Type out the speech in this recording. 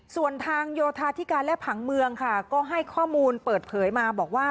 ส่วนทางโยธาธิการและผังเมืองค่ะก็ให้ข้อมูลเปิดเผยมาบอกว่า